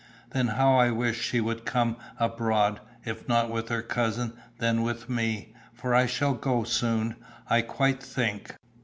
"Then how I wish she would come abroad, if not with her cousin, then with me. For I shall go soon, I quite think.